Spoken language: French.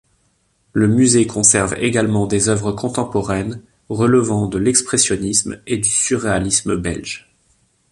Le musée conserve également des œuvres contemporaines relevant de l'expressionnisme et du surréalisme belges.